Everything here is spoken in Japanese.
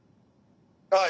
はい。